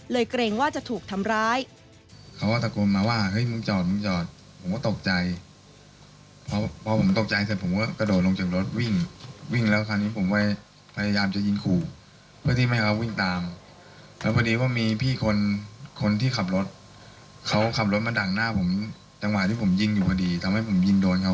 เกรงว่าจะถูกทำร้าย